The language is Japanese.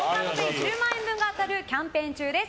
１０万円分が当たるキャンペーン実施中です。